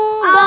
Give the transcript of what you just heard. aku buta sirik